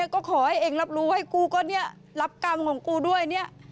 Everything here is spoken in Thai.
ก็ขอให้เองรับรู้ให้กูรับกรรมของกูด้วย